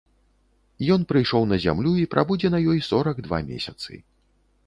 Ён прыйшоў на зямлю і прабудзе на ёй сорак два месяцы.